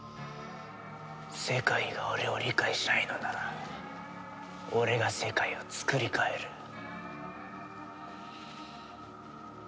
世界が俺を理解しないのなら俺が世界をつくり替える。